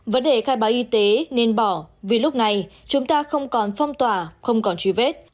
vấn đề khai báo y tế nên bỏ vì lúc này chúng ta không còn phong tỏa không còn truy vết